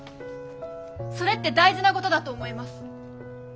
それって大事なことだと思います。